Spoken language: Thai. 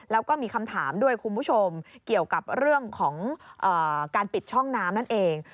แล้วก็มีคำถามด้วยคุณผู้ชมเกี่ยวกับเรื่องของการปิดช่องน้ำนั่นเอง